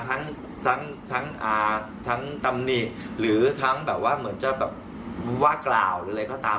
ทั้งตำหนิหรือทั้งแบบว่ากล่าวอะไรก็ตาม